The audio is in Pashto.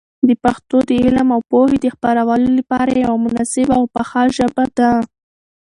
پښتو د علم او پوهي د خپرولو لپاره یوه مناسبه او پخه ژبه ده.